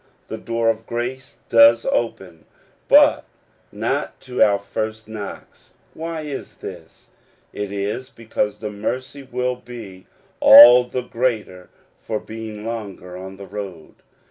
The door of grace does open, but not to our first knocks. Why is this ? It is because the mercy will be all the greater for being longer on the road.